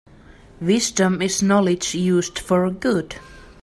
Wisdom is knowledge used for good.